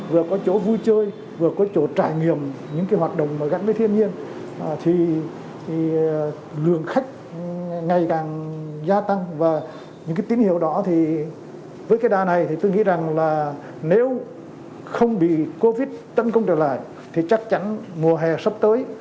với cái đa này thì tôi nghĩ rằng là nếu không bị covid tấn công trở lại thì chắc chắn mùa hè sắp tới